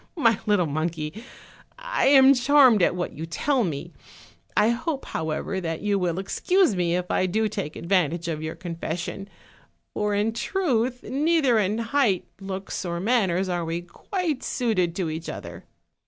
My little monkey, I am charmed at what you tell me; I hope, however, that you will excuse me if I do take advantage of your confession; for in truth, neither in height, looks, or manners are we quite suited to each other."